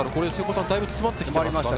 だいぶ詰まってきましたね。